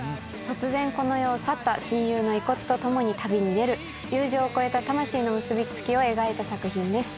突然この世を去った親友の遺骨と共に旅に出る友情を超えた魂の結び付きを描いた作品です。